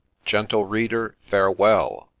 — Gentle Reader, farewell !